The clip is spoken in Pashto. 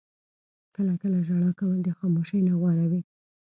• کله کله ژړا کول د خاموشۍ نه غوره وي.